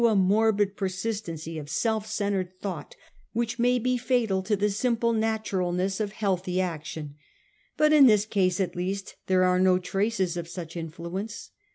a morbid persistency of self centred thought which may be fatal to the simple naturalness of healthy action. But in this case at least there are no traces of such influence.